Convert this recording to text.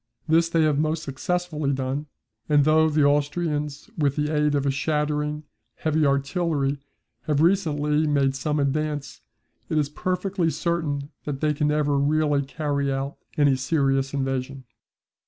This they have most successfully done, and though the Austrians with the aid of a shattering heavy artillery have recently made some advance, it is perfectly certain that they can never really carry out any serious invasion.